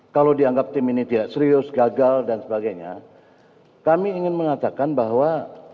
kalau dianggap tim ini tidak serius gagal dan sebagainya kami ingin mengatakan bahwa